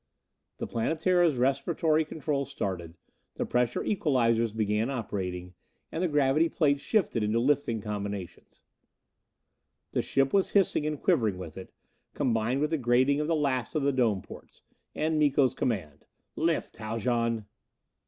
The Planetara's respiratory controls started; the pressure equalizers began operating, and the gravity plates shifted into lifting combinations. The ship was hissing and quivering with it, combined with the grating of the last of the dome ports. And Miko's command: "Lift, Haljan."